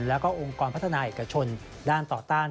และก็องค์กรพัฒนาแห่งต่อต้าน